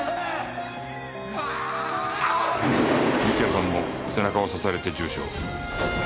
幹也さんも背中を刺されて重傷。